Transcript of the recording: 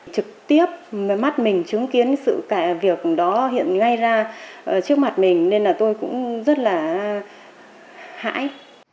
trực tiếp mới mắt mình chứng kiến sự việc đó hiện ngay ra trước mặt mình nên là tôi cũng rất là hãi